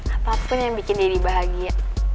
apapun yang bikin deddy bahagia